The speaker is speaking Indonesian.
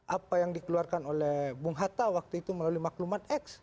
apa yang dikeluarkan oleh bung hatta waktu itu melalui maklumat x